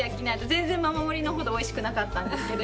全然ママ森ほど美味しくなかったんですけど。